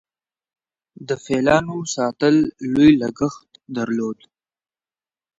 د فیلانو ساتل لوی لګښت درلود